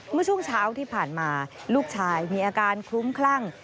เมื่อช่วงเช้าที่ผ่านมาลูกชายมีอาการคลุ้มคลั่ง